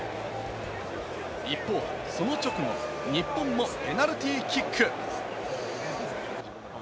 一方、その直後、日本もペナルティーキック。